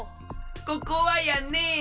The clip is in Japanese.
ここはやね